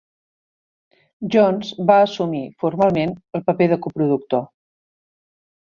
Johns va assumir formalment el paper de coproductor.